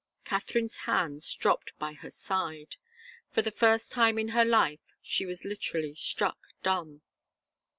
Katharine's hands dropped by her side. For the first time in her life she was literally struck dumb.